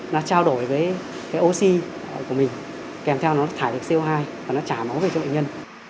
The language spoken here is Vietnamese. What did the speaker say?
nó trao đổi với cái oxy của mình kèm theo nó thải được co hai và nó trả máu về cho bệnh nhân